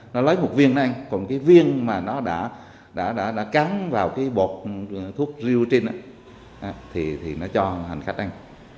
nó lấy một viên đó anh còn cái viên mà nó đã cắn vào cái bột thuốc riêu trên đó thì nó cho hành khách anh